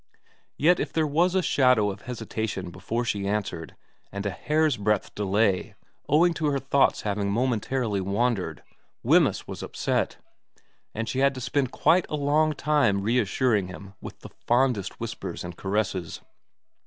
Yet if there was a shadow of hesitation before she answered, a hair's breadth of delay owing to her thoughts having momentarily wandered, Wemyss was upset, and she had to spend quite a long time reassuring him with the fondest whispers and caresses.